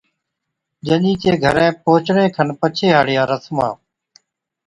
ڄَڃِي چي گھرين پھچڻي کن پڇي ھاڙِيا رسمان